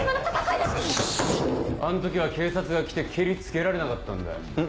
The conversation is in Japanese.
あの時は警察が来てケリつけられなかったんだよ。